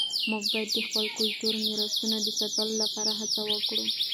موږ باید د خپلو کلتوري میراثونو د ساتلو لپاره هڅه وکړو.